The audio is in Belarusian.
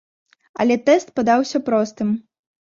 Але тэст падаўся простым.